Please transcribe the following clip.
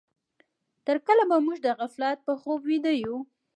تر کله به موږ د غفلت په خوب ويده يو؟